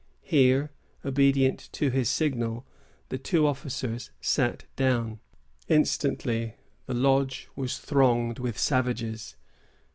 Here, obedient to his signal, the two officers sat down. Instantly the lodge was thronged with savages.